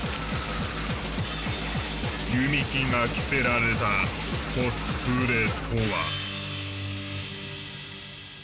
弓木が着せられたコスプレとは？